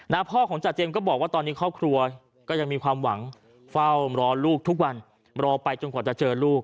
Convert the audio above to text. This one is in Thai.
พ่อของจาเจมส์ก็บอกว่าตอนนี้ครอบครัวก็ยังมีความหวังเฝ้ารอลูกทุกวันรอไปจนกว่าจะเจอลูก